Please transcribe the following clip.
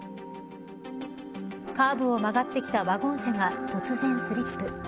カーブを曲がってきたワゴン車が突然スリップ。